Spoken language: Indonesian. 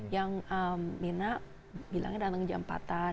yang mirna bilangnya datang jam empatan